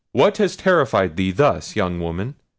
"What has terrified thee thus, young woman?"